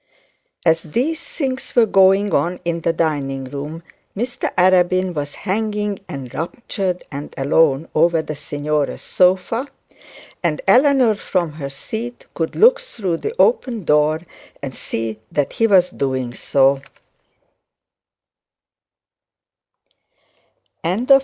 As these things were going on in the dining room, Mr Arabin was hanging enraptured and alone over the signora's sofa; and Eleanor from her seat could look through the open door and see that he was doing so.